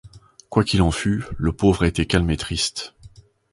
Quoi qu’il en fût, le pauvre être était calme et triste!